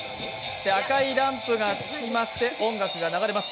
赤いランプがつきまして、音楽が流れます。